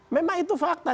memang itu fakta